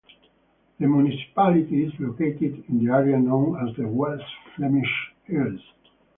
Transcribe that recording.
The municipality is located in an area known as the West-Flemish Hills.